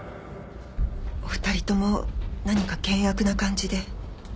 お二人とも何か険悪な感じで。